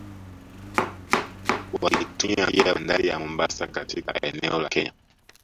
Waliitumia pia Bandari ya Mombasa katika eneo la Kenya